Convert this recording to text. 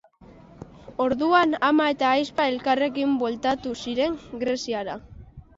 Orduan, ama eta ahizpa elkarrekin bueltatu ziren Greziara.